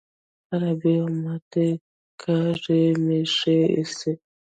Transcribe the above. خرابې او ماتې کاږي مې ښې ایسي.